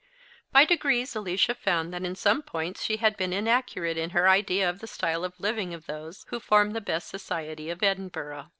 By degrees Alicia found that in some points she had been inaccurate in her idea of the style of living of those who form the best society of Edinburgh.